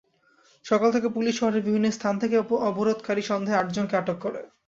সকাল থেকে পুলিশ শহরের বিভিন্ন স্থান থেকে অবরোধকারী সন্দেহে আটজনকে আটক করে।